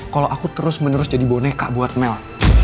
kalau aku terus menerus jadi boneka buat mel